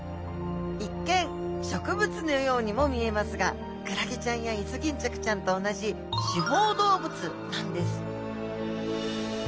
一見植物のようにも見えますがクラゲちゃんやイソギンチャクちゃんと同じ刺胞動物なんです